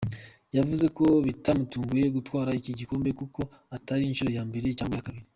Yavuze ko bitamutunguye gutwara iki gikombe kuko atari inshuro ya mbere cyangwa iya kabiri.